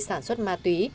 sản xuất ma túy